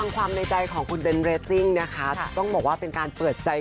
ความในใจของคุณเบนเรสซิ่งนะคะต้องบอกว่าเป็นการเปิดใจ